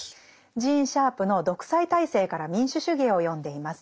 ジーン・シャープの「独裁体制から民主主義へ」を読んでいます。